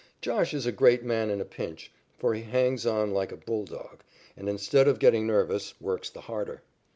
"Josh" is a great man in a pinch, for he hangs on like a bulldog, and instead of getting nervous, works the harder.